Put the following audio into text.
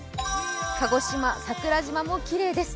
鹿児島、桜島もきれいです。